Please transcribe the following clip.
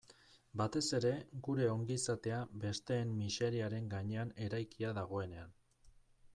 Batez ere, gure ongizatea besteen miseriaren gainean eraikia dagoenean.